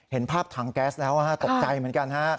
เห็นภาพถังแก๊สแล้วตกใจเหมือนกันฮะ